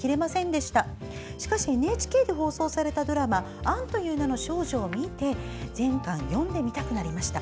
しかしＮＨＫで放送されたドラマ「アンという名の少女」を見て全巻読んでみたくなりました。